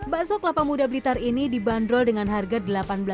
bakso kelapa muda blitar ini dibanderol dengan harga rp delapan belas